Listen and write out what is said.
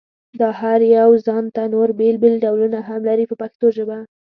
دا هر یو ځانته نور بېل بېل ډولونه هم لري په پښتو ژبه.